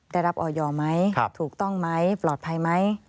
ได้รับออยไหมถูกต้องไหมปลอดภัยไหม